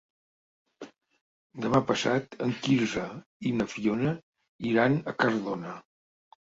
Demà passat en Quirze i na Fiona iran a Cardona.